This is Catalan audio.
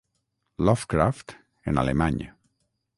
Lovecraft en alemany.